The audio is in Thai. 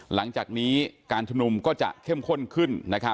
หลังจากนี้การชุมนุมก็จะเข้มข้นขึ้น